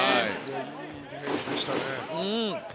いいディフェンスでしたね。